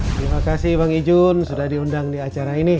terima kasih bang ijun sudah diundang di acara ini